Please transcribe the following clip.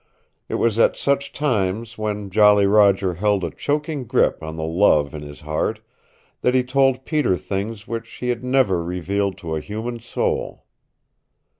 It was at such times, when Jolly Roger held a choking grip on the love in his heart, that he told Peter things which he had never revealed to a human soul.